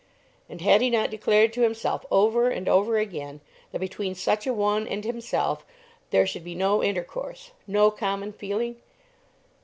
And had he not declared to himself over and over again that between such a one and himself there should be no intercourse, no common feeling?